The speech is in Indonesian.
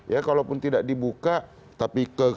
ya kalaupun tidak dibuka tapi ke kita disampaikan kita kasih